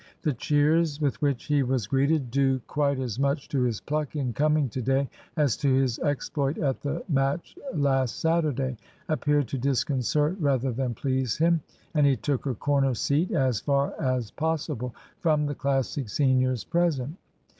The cheers, with which he was greeted, due quite as much to his pluck in coming to day as to his exploit at the match last Saturday, appeared to disconcert rather than please him, and he took a corner seat as far as possible from the Classic seniors present.